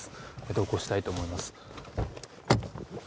同行したいと思います。